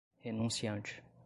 renunciante